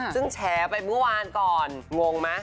ซึ่งแชร์ไปเมื่อวานก่อนงงมั้ย